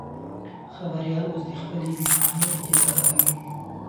خبریال اوس د خپلې بې پاڼې انتظار کوي.